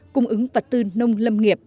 cung ứng vật tư nông lâm nghiệp